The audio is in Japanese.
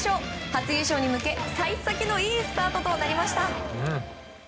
初優勝に向け幸先のいいスタートになりました。